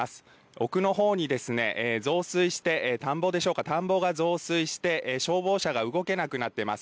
奥のほうに増水して、田んぼでしょうか、田んぼが増水して、消防車が動けなくなっています。